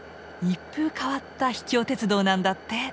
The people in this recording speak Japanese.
一風変わった「秘境鉄道」なんだって！